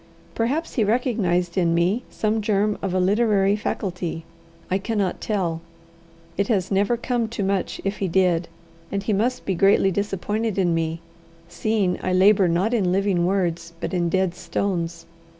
Perhaps he recognized in me some germ of a literary faculty I cannot tell: it has never come to much if he did, and he must be greatly disappointed in me, seeing I labour not in living words, but in dead stones.